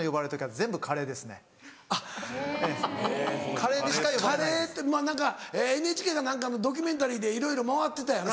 カレー何かＮＨＫか何かのドキュメンタリーでいろいろ回ってたよな。